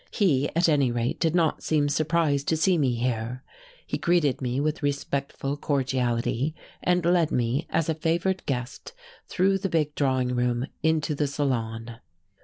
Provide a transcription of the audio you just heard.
He, at any rate, did not seem surprised to see me here, he greeted me with respectful cordiality and led me, as a favoured guest, through the big drawing room into the salon.